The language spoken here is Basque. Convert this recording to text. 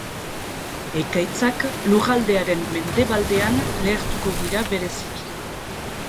Ekaitzak lurraldearen mendebaldean lehertuko dira bereziki.